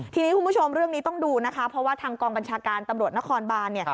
ทีนี้คุณผู้ชมเรื่องนี้ต้องดูนะคะเพราะว่าทางกองบัญชาการตำรวจนครบานเนี่ย